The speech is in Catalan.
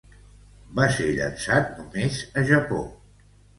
Va ser llançat només a Japó.